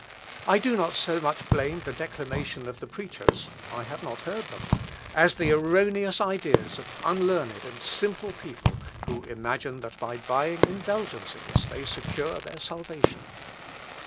I do not so much blame the declamation of the preachers, (I have not heard them,) as the erroneous ideas of unlearned and simple people, who imagine that by buying indulgences they secure their salvation....